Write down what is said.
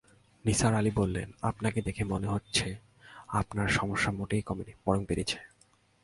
নিসার আলি বললেন, আপনাকে দেখে মনে হচ্ছে-আপনার সমস্যা মোটেই কমেনি-বরং বেড়েছে।